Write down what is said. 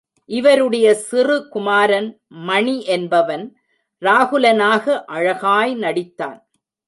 இவருடைய சிறு குமாரன் மணி என்பவன் ராகுலனாக அழகாய் நடித்தான்.